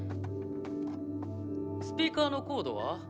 スピーカーのコードは？